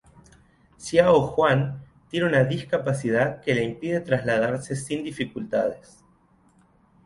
Xiao Juan tiene una discapacidad que le impide trasladarse sin dificultades.